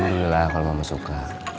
alhamdulillah kalau mama suka